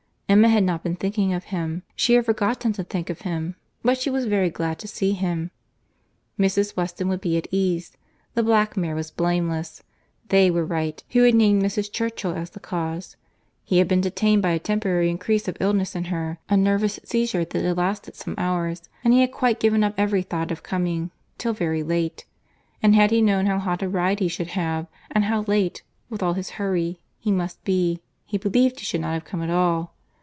Emma had not been thinking of him, she had forgotten to think of him—but she was very glad to see him. Mrs. Weston would be at ease. The black mare was blameless; they were right who had named Mrs. Churchill as the cause. He had been detained by a temporary increase of illness in her; a nervous seizure, which had lasted some hours—and he had quite given up every thought of coming, till very late;—and had he known how hot a ride he should have, and how late, with all his hurry, he must be, he believed he should not have come at all.